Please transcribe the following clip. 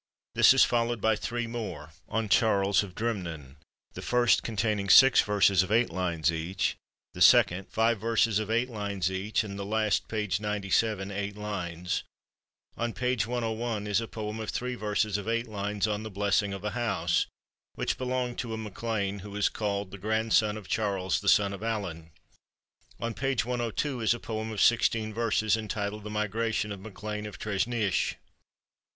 This is followed by three more, on Charles of Drimnin : the first containing six verses of eight lines each, the second, five verses of eight lines each, and the last (p. 97) eight lines. On page 101 is a poem of three verses of eight lines on the "Blessing of a House," which belonged to a MacLean who is called the "grandson of Charles the son of Allan." On page 102 is a poem of sixteen verses, entitled "The Migration of MacLean of Treshnish."